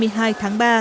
tiếp nối chương trình